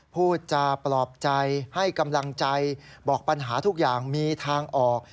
พูดจาปลอบใจให้กำลังใจบอกปัญหาทุกอย่างมีทางออก